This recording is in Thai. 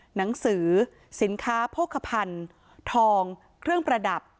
หนังสือสินค้าโภคภัณฑ์ทองเครื่องประดับ